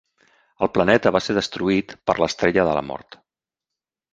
El planeta va ser destruït per l'Estrella de la Mort.